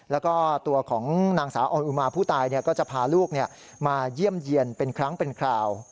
แล้วก็ตัวของนางสาวออนอุมาผู้ตายก็จะพาลูกมาเยี่ยมเยี่ยนเป็นครั้งเป็นคราว